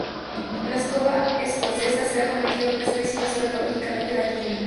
La escoba escocesa se ha convertido en una especie invasora ecológicamente dañina.